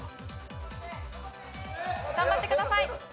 頑張ってください。